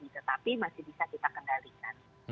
tetapi masih bisa kita kendalikan